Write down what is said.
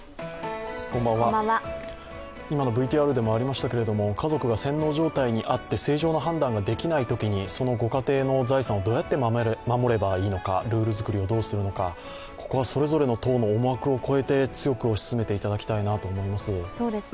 今のＶＴＲでもありましたけど家族が洗脳状態にあって正常な判断ができないときにそのご家庭の財産をどうやって守ればいいのかルール作りをどうすればいいのかここはそれぞれの党の思惑を超えて強くおしすすめていただきたいと思います。